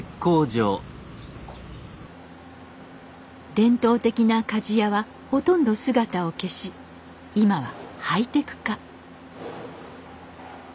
伝統的な鍛冶屋はほとんど姿を消し今はハイテク化。